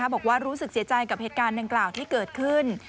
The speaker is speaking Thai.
บอกว่ารู้สึกเสียใจกับเหตุการณ์ดังกล่าวที่เกิดขึ้น